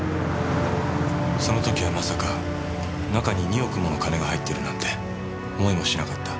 その時はまさか中に２億もの金が入っているなんて思いもしなかった。